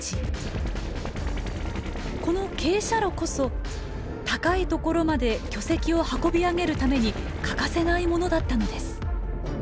この傾斜路こそ高い所まで巨石を運び上げるために欠かせないものだったのです。